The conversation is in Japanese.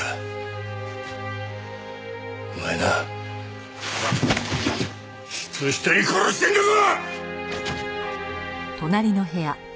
お前な人一人殺してんだぞ！